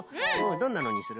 どんなのにする？